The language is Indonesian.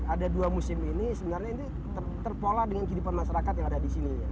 ada dua musim ini sebenarnya ini terpola dengan kehidupan masyarakat yang ada di sini